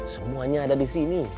semuanya ada disini